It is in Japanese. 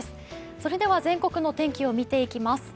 それでは全国の天気を見ていきます。